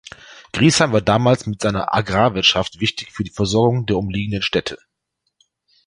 Griesheim war damals mit seiner Agrarwirtschaft wichtig für die Versorgung der umliegenden Städte.